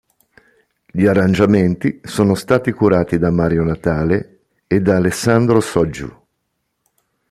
Gli arrangiamenti sono stati curati da Mario Natale ed Alessandro Sotgiu.